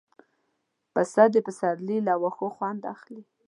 پسه د پسرلي له واښو خوند اخلي.